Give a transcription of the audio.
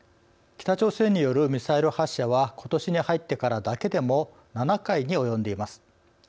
北朝鮮によるミサイル発射はことしに入ってからだけでも７回に及んでいます。